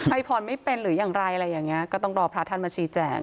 ให้พรไม่เป็นหรืออย่างไรอะไรอย่างนี้ก็ต้องรอพระท่านมาชี้แจง